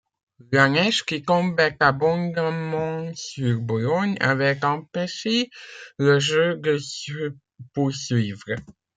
La neige qui tombait abondamment sur Bologne avait empêché le jeu de se poursuivre.